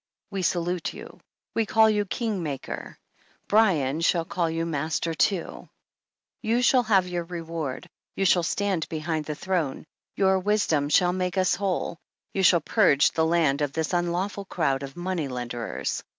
We salute you. We call you King maker. Bryan shall call you Master too. You shall have your reward. You shall stand behind the throne. Your wisdom shall make us whole. You shall purge the land of this un lawful crowd of money lenders.